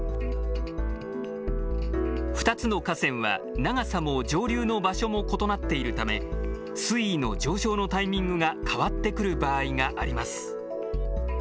２つの河川は長さも上流の場所も異なっているため水位の上昇のタイミングが変わってくる場合があります。